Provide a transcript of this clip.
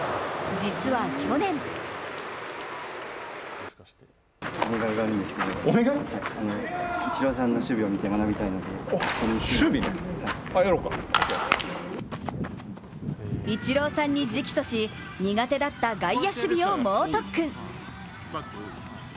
実は去年イチローさんに直訴し苦手だった外野守備を猛特訓。